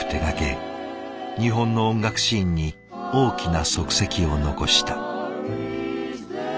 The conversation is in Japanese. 日本の音楽シーンに大きな足跡を残した。